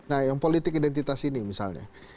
nah yang politik identitas ini misalnya